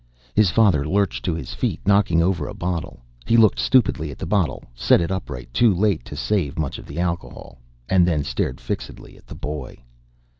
His father lurched to his feet, knocking over a bottle. He looked stupidly at the bottle, set it upright too late to save much of the alcohol, and then stared fixedly at the boy.